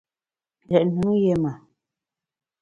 Ghét nùn yé ma.